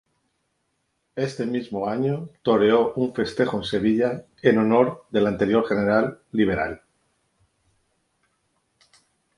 Este mismo año toreó un festejo en Sevilla en honor del anterior general liberal.